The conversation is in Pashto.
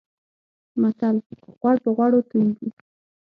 متل: غوړ پر غوړو تويېږي.